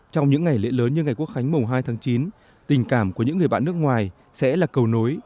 trong những ngày lễ lớn như ngày quốc khánh mùng hai tháng chín tình cảm của những người bạn nước ngoài sẽ là cầu nối